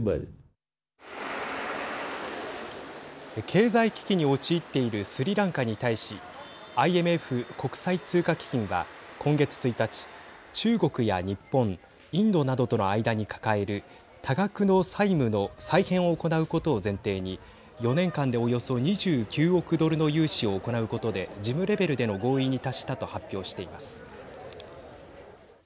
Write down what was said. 経済危機に陥っているスリランカに対しＩＭＦ＝国際通貨基金は今月１日中国や日本インドなどとの間に抱える多額の債務の再編を行うことを前提に４年間で、およそ２９億ドルの融資を行うことで事務レベルでの合意に達したと発表しています。